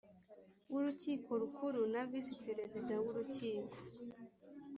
w Urukiko Rukuru na Visi Perezida w Urukiko